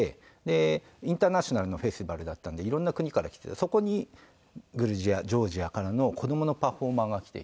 インターナショナルのフェスティバルだったんでいろんな国から来ててそこにグルジアジョージアからの子どものパフォーマーが来ていて。